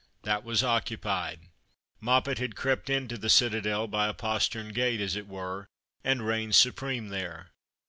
That was occupied. Moppet had crept into the citadel by a postern gate, as it were, and reigned supreme there.